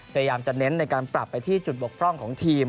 พยายามจะเน้นในการปรับไปที่จุดบกพร่องของทีม